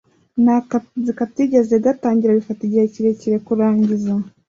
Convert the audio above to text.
nakazi katigeze gatangira bifata igihe kirekire kurangiza